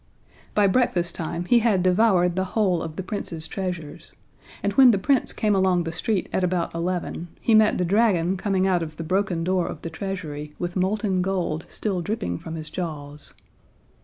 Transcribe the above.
By breakfasttime he had devoured the whole of the Prince's treasures, and when the Prince came along the street at about eleven, he met the dragon coming out of the broken door of the Treasury, with molten gold still dripping from his jaws.